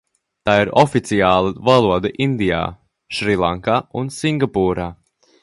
Tā ir oficiālā valoda Indijā, Šrilankā un Singapūrā.